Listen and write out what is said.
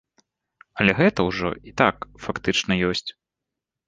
Але гэта ўжо і так фактычна ёсць.